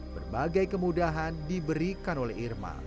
berbagai kemudahan diberikan oleh irma